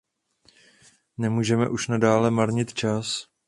Nemůžeme už nadále marnit čas.